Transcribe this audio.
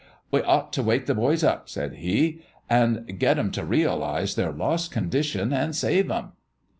" We ought t' wake the boys up," said he, " an' get 'em t' realize their lost condition, an' save 'em."